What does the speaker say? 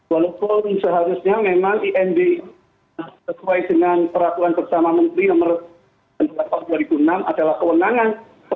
walaupun seharusnya memang imb sesuai dengan peraturan bersama menteri nomor dua tahun dua ribu enam adalah kewenangan